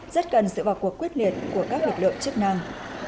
rất gần dựa vào cuộc quyết liệt của các lực lượng chức năng